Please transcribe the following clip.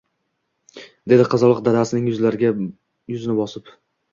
dedi qizaloq dadasining yuzlariga yuzini bosib